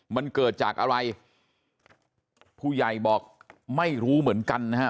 มันเกิดจากอะไรผู้ใหญ่บอกไม่รู้เหมือนกันนะฮะ